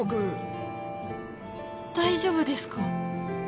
大丈夫ですか？